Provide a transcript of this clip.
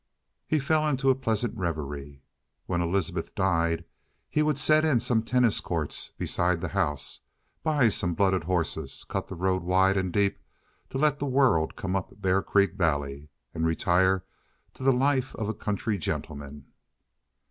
He fell into a pleasant reverie. When Elizabeth died, he would set in some tennis courts beside the house, buy some blooded horses, cut the road wide and deep to let the world come up Bear Creek Valley, and retire to the life of a country gentleman.